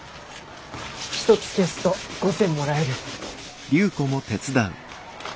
１つ消すと５銭もらえる。